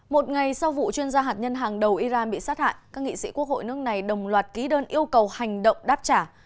một ngày sau vụ chuyên gia hạt nhân hàng đầu iran bị sát hại các nghị sĩ quốc hội nước này đồng loạt ký đơn yêu cầu hành động đáp trả